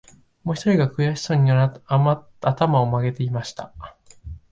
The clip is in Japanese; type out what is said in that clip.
もひとりが、くやしそうに、あたまをまげて言いました